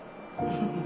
フフフ。